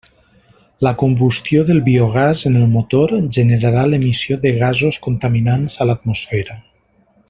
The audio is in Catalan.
La combustió del biogàs en el motor generarà l'emissió de gasos contaminants a l'atmosfera.